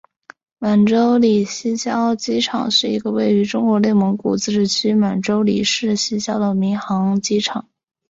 满洲里西郊机场是一个位于中国内蒙古自治区满洲里市西郊的民航机场。